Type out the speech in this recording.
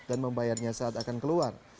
dan membayarnya saat akan keluar